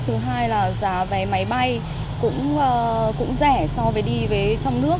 thứ hai là giá về máy bay cũng rẻ so với đi trong nước